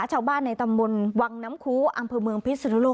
ชาวบ้านในตำบลวังน้ำคูอำเภอเมืองพิศนุโลก